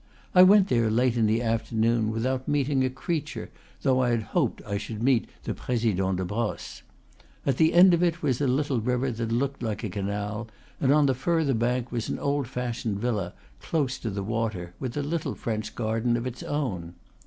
I went there late in the afternoon, without meeting a creature, though I had hoped I should meet the President de Brosses. At the end of it was a little river that looked like a canal, and on the further bank was an old fashioned villa, close to the water, with a little French garden of its own.